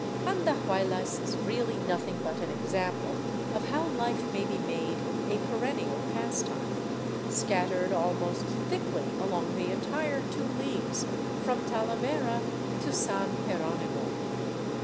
'* Andahuaylas is really nothing but an example of how life may be made a perennial pastime, scattered almost thickly along the entire two leagues from Talavera to San Jeronimo.